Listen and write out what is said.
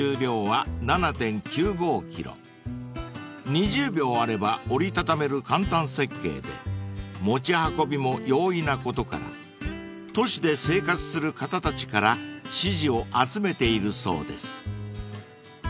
［２０秒あれば折り畳める簡単設計で持ち運びも容易なことから都市で生活する方たちから支持を集めているそうです］